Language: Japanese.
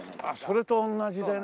それと同じでね。